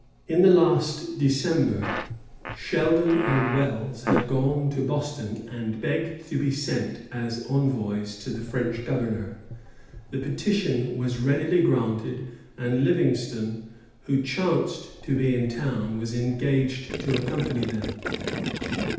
In the last December, Sheldon and Wells had gone to Boston and begged to be sent as envoys to the French governor. The petition was readily granted, and Livingston, who chanced to be in the town, was engaged to accompany them.